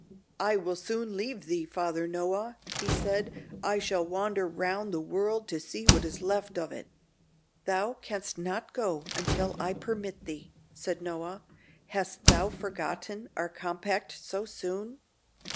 "I will soon leave thee, Father Noah," he said. "I shall wander round the world to see what is left of it." "Thou canst not go until I permit thee," said Noah. "Hast thou forgotten our compact so soon?